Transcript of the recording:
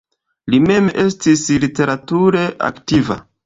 Li mem estis literature aktiva.